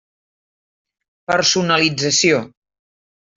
Personalització.